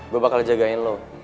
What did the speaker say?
gue bakal jagain lu